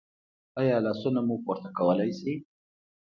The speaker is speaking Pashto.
ایا لاسونه مو پورته کولی شئ؟